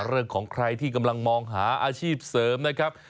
เรื่องของใครที่กำลังมองหาอาชีพเสริมนะครับ